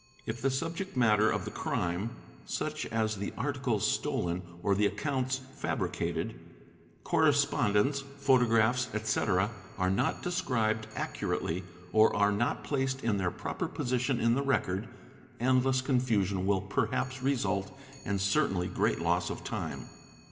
If the subject matter of the ml . crime (such as the articles stolen or the accounts fabricated), correspond ence, photographs, &c., are not described accurately or are not placed in their proper position in the record, endless confusion will perhaps result b and certainly great loss of time.